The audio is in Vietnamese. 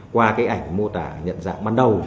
qua ảnh mô tả nhận dạng ban đầu